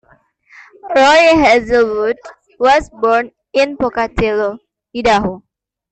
Roy Hazelwood was born in Pocatello, Idaho.